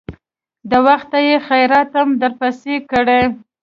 د وخته يې خيراتم درپسې کړى.